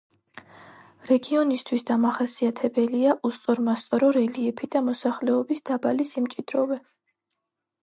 რეგიონისთვის დამახასიათებელია უსწორმასწორო რელიეფი და მოსახლეობის დაბალი სიმჭიდროვე.